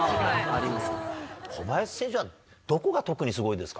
えすごい。